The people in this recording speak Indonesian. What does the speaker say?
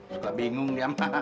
suka bingung ya